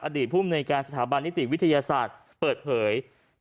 อดีตภูมิในการสถาบันนิติวิทยาศาสตร์เปิดเผย